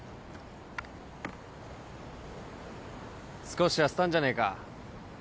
少し痩せたんじゃねえか？